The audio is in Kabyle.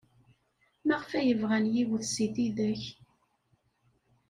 Maɣef ay bɣan yiwet seg tidak?